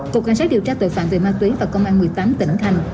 cục cảnh sát điều tra tội phạm về ma túy và công an một mươi tám tỉnh thành